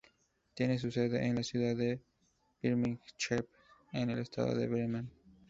Tiene su sede en la ciudad de Bremerhaven, en el estado de Bremen.